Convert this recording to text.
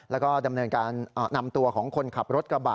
แล้วก็ดำเนินการนำตัวของคนขับรถกระบะ